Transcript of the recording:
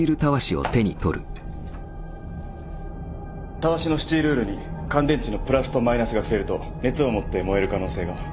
たわしのスチールウールに乾電池のプラスとマイナスが触れると熱を持って燃える可能性が。